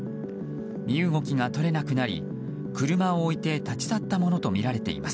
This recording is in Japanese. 身動きが取れなくなり車を置いて立ち去ったものとみられています。